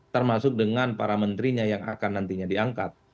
termasuk dengan para menterinya yang akan nantinya diangkat